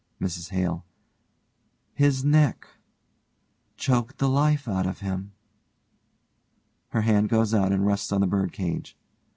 MRS HALE: His neck. Choked the life out of him. (Her hand goes out and rests on the bird cage.)